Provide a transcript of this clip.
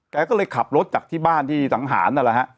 แกก็เลยขับรถจากที่บ้านที่สังหาร